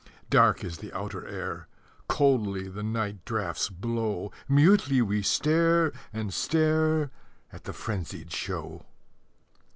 Dark is the outer air, Coldly the night draughts blow, Mutely we stare, and stare, At the frenzied Show.